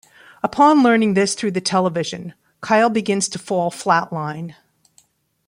Upon learning this through the television, Kyle begins to fall flat-line.